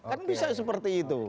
kan bisa seperti itu